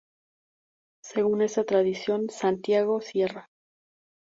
Según esta tradición, ¡Santiago!, ¡Cierra!